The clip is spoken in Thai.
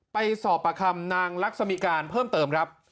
ไปสอบประคำนางลักษมิการเพิ่มเติมครับ